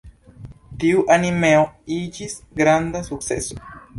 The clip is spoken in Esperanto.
Tiu animeo iĝis granda sukceso.